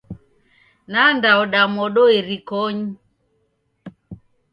Nandaoda modo irikonyi.